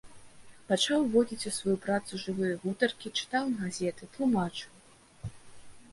Пачаў уводзіць у сваю працу жывыя гутаркі, чытаў ім газеты, тлумачыў.